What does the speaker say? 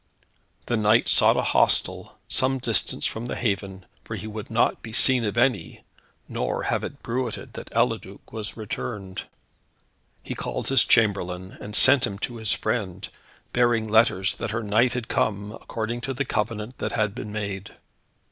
The knight sought a hostel some distance from the haven, for he would not be seen of any, nor have it bruited that Eliduc was returned. He called his chamberlain, and sent him to his friend, bearing letters that her knight had come, according to the covenant that had been made.